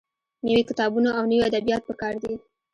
نوي کتابونه او نوي ادبيات پکار دي.